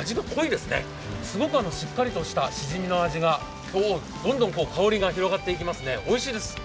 味が濃いですね、しっかりしたしじみの味がどんどん香りが広がっていきますね、おいしいです。